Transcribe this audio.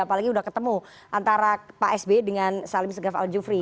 apalagi sudah ketemu antara pak sby dengan salim segaf al jufri